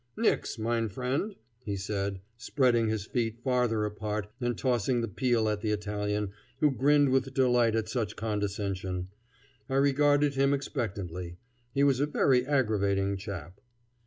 "Nix! mine friend," he said, spreading his feet farther apart and tossing the peel at the Italian, who grinned with delight at such condescension. I regarded him expectantly. He was a very aggravating chap.